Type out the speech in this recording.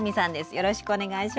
よろしくお願いします。